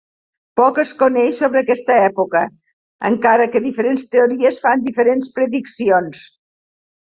Poc es coneix sobre aquesta època, encara que diferents teories fan diferents prediccions.